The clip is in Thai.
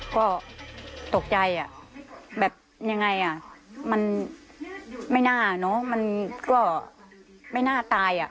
ก็ตกใจแบบอย่างไรมันไม่น่ามันก็ไม่น่าตาย